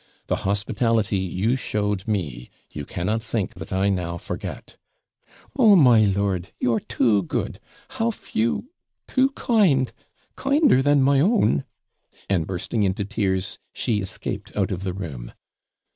The hospitality you showed me you cannot think that I now forget.' 'Oh, my lord, you're too good how few too kind kinder than my own,' and bursting into tears, she escaped out of the room.